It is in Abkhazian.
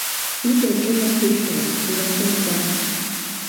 Уи даҿын аԥышәара, ллахьынҵа.